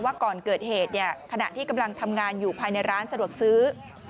ก่อนเกิดเหตุขณะที่กำลังทำงานอยู่ภายในร้านสะดวกซื้อ